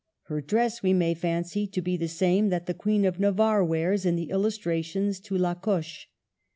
Her dress we may fancy to be the same that the Queen of Navarre wears in the illustrations to La Coche.